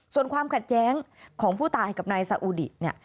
ส่วนความขัดแย้งของผู้ตายกับนายสาอุดิเนี่ย